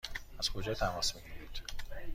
از کجا تماس می گیرید؟